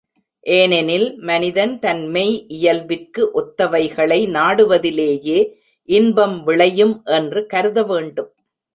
ஏனெனில், மனிதன் தன் மெய் இயல்பிற்கு ஒத்தவைகளை நாடுவதிலேயே இன்பம் விளையும் என்று கருதவேண்டும்.